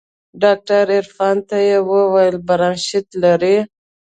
ډاکتر عرفان ته يې وويل برانشيت لري.